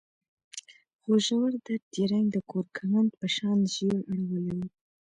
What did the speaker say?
خو ژور درد يې رنګ د کورکمند په شان ژېړ اړولی و.